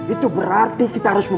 itu berarti kita harus menjaga kita